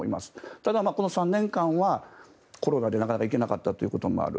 ただ、この３年間はコロナでなかなか行けなかったということもある。